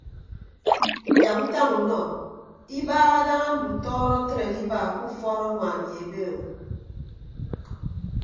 Yak ntañ unọ ibaha daña ndutọọdọ atre adiba ke ufuọd añwaan ye ebe o.